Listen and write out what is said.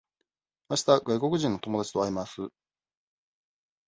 あした外国人の友達と会います。